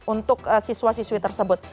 untuk siswa siswi tersebut